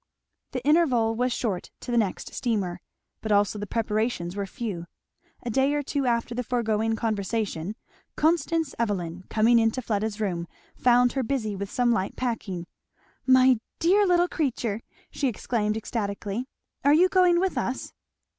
The interval was short to the next steamer, but also the preparations were few. A day or two after the foregoing conversation, Constance Evelyn coming into Fleda's room found her busy with some light packing. "My dear little creature!" she exclaimed ecstatically, "are you going with us?"